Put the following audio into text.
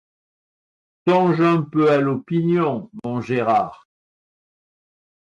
Songe un peu à l'opinion, mon Gérard.